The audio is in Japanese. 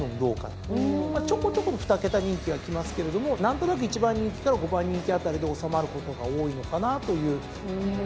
まあちょこちょこ二桁人気はきますけれども何となく１番人気から５番人気あたりで収まることが多いのかなという。